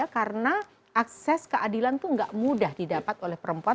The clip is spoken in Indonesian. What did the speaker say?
karena akses keadilan itu tidak mudah didapat oleh perempuan